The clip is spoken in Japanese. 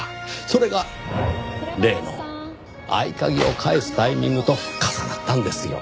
それが例の合鍵を返すタイミングと重なったんですよ。